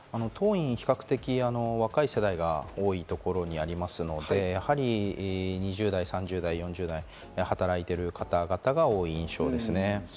比較的若い世代がが多い場所にありますので、２０代、３０代、４０代、働いている方々が多い印象ですね。